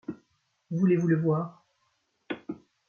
Voulez-vous le voir ?